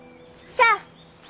さあ